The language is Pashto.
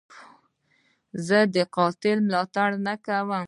زه د قاتل ملاتړ نه کوم.